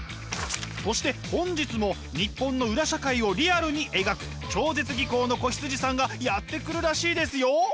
そして本日もニッポンの裏社会をリアルに描く超絶技巧の子羊さんがやって来るらしいですよ！